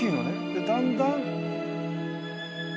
でだんだん。